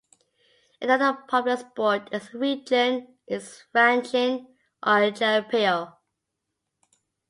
Another popular sport in the region is ranching or Jaripeo.